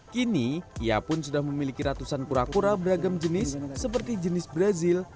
kini ia pun sudah memiliki ratusan kura kura beragam jenis seperti jenis brazil